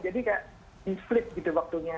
jadi kayak di flip gitu waktunya